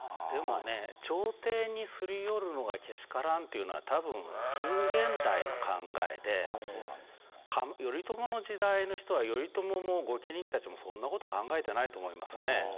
でもね朝廷にすり寄るのがけしからんっていうのは多分近現代の考えで頼朝の時代の人は頼朝も御家人たちもそんなこと考えてないと思いますね。